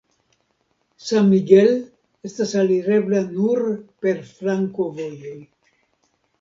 San Miguel estas alirebla nur per flankovoj.